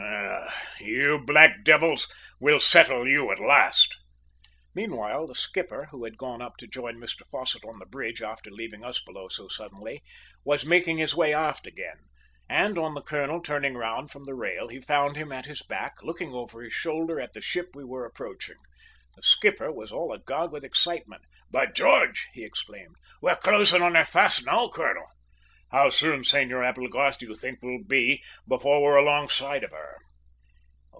"Ah, you black devils, we'll settle you at last!" Meanwhile, the skipper, who had gone up to join Mr Fosset on the bridge after leaving us below so suddenly, was making his way aft again; and on the colonel turning round from the rail he found him at his back, looking over his shoulder at the ship we were approaching. The skipper was all agog with excitement. "By George!" he exclaimed. "We're closing on her fast now, colonel!" "How soon, Senor Applegarth, do you think we'll be before we're alongside her?"